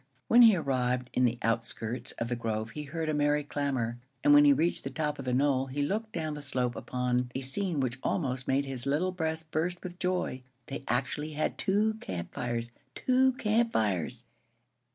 When he arrived in the outskirts of the grove he heard a merry clamor, and when he reached the top of the knoll he looked down the slope upon a scene which almost made his little breast burst with joy. They actually had two camp fires! Two camp fires!